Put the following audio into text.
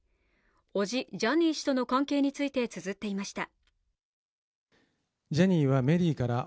叔父・ジャニー氏との関係についてつづっていました。